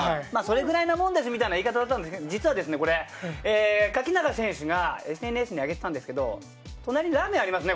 それぐらいのもんですみたいな言い方してたんですけれども実はこれ、垣永選手がＳＮＳにあげてたんですけれども、隣にラーメンありますね？